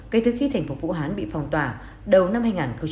kể từ khi thành phố vũ hán bị phong tỏa đầu năm hai nghìn hai mươi